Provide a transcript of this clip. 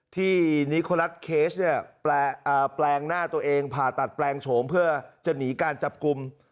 ที่นิโคลัสเคสเนี่ยแปลงหน้าตัวเองผ่าตัดแปลงโฉมเพื่อจะหนีการจับกลุ่ม